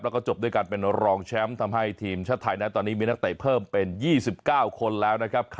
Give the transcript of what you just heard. แล้วก็จบด้วยการเป็นรองแชมป์ทำให้ทีมชาติไทยนั้นตอนนี้มีนักเตะเพิ่มเป็น๒๙คนแล้วนะครับ